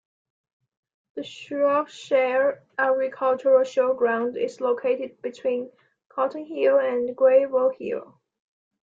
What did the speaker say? The Shropshire Agricultural Showground is located between Coton Hill and Gravelhill.